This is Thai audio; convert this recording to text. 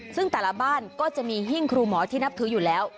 ซึ่งแต่ละบ้านก็จะมีหิ้งครูหมอที่นับถืออยู่แล้ว